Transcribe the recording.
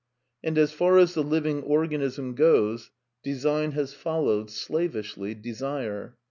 And as far as the living organism goes, design has followed, slavishly, desire.